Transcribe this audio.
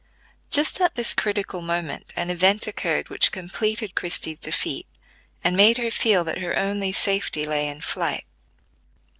Just at this critical moment an event occurred which completed Christie's defeat, and made her feel that her only safety lay in flight.